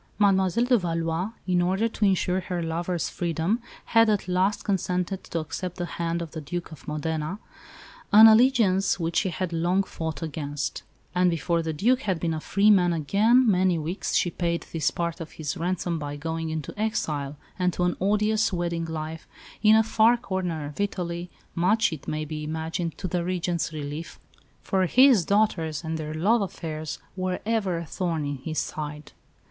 Mademoiselle de Valois, in order to ensure her lover's freedom, had at last consented to accept the hand of the Duke of Modena, an alliance which she had long fought against; and before the Duc had been a free man again many weeks she paid this part of his ransom by going into exile, and to an odious wedded life, in a far corner of Italy much, it may be imagined, to the Regent's relief, for his daughters and their love affairs were ever a thorn in his side.